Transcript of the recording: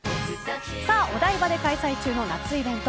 お台場で開催中の夏イベント